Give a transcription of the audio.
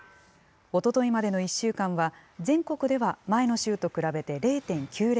おとといまでの１週間は、全国では前の週と比べて０．９０倍。